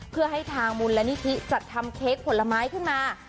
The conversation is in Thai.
เพื่อให้ทางมูลนิธิจัดทำเค้กผลไม้ขึ้นมา